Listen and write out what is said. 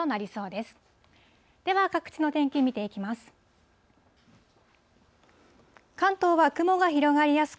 では各地の天気見ていきます。